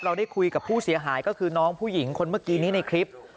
ได้คุยกับผู้เสียหายก็คือน้องผู้หญิงคนเมื่อกี้นี้ในคลิป